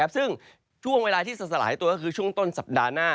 ซึ่งช่วงเวลาที่จะสลายตัวก็คือช่วงต้นสัปดาห์หน้า